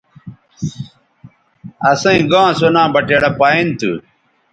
اَسئیں گاں سو ناں بٹیڑہ پائیں تھو۔